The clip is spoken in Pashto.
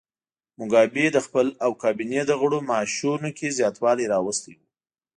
موګابي د خپل او کابینې د غړو معاشونو کې زیاتوالی راوستی و.